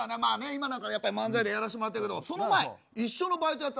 今なんかやっぱり漫才でやらしてもらってるけどその前一緒のバイトやってたんですよ